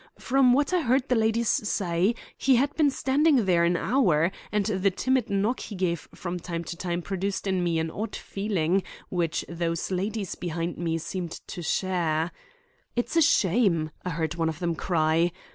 From what I heard the ladies say, he had been standing there an hour, and the timid knock he gave from time to time produced in me an odd feeling which those ladies behind me seemed to share. "'It's a shame!' I heard one of them cry.